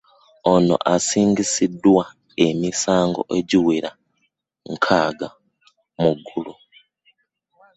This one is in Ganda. Ono asingisiddwa emisango egiwera nkaaga mu gumu